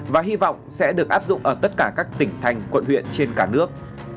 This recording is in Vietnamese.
và hy vọng sẽ được áp dụng ở tất cả các tỉnh thành quận huyện trên cả nước